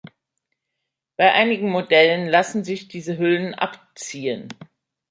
Bei einigen Modellen lassen sich diese Hüllen abziehen.